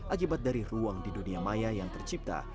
akibat dari ruang di dunia maya yang tercipta